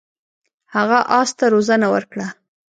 هغه اس ته روزنه ورکړه.